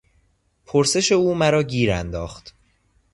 پرسش او مرا گیر انداخت.